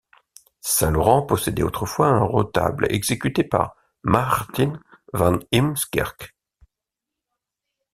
Saint-Laurent possédait autrefois un retable exécuté par Maarten van Heemskerck.